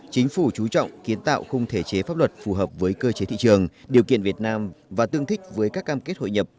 chính phủ chú trọng kiến tạo khung thể chế pháp luật phù hợp với cơ chế thị trường điều kiện việt nam và tương thích với các cam kết hội nhập